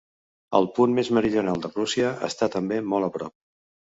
El punt més meridional de Rússia està també molt a prop.